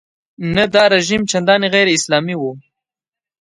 نه دا رژیم چندانې غیراسلامي و.